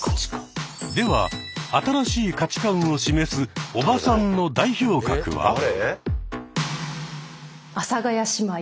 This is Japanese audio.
では新しい価値観を示す「おばさん」の代表格は？